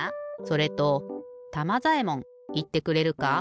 それとたまざえもんいってくれるか？